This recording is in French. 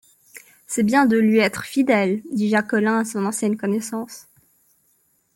C’est bien de lui être fidèle, dit Jacques Collin à son ancienne connaissance.